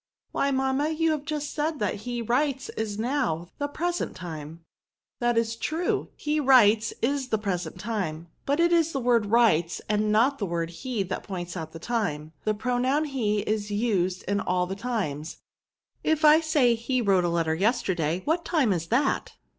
" Why, mamma, you have just said that ke writes is now^ the present time." *' That is true ; he writes is the present VERBS. S13 time ; but it is the word writes, and not the word he, that points out the time. The pro noun he is used in all the times. If I say» he wrote a letter yesterday, what time is that?"